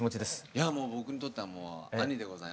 いやもう僕にとっては兄でございます。